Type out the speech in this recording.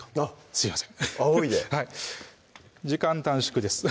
すいませんあおいではい時間短縮です